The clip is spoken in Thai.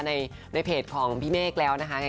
ในเพจของพี่เมฆแล้วนะคะ